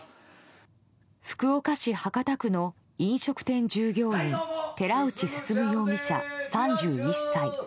福岡市博多区の飲食店従業員寺内進容疑者、３１歳。